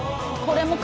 これ。